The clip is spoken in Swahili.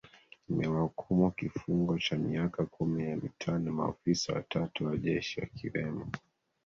imewahukumu kifungo cha miaka kumi na mitano maofisa watatu wajeshi wakiwemo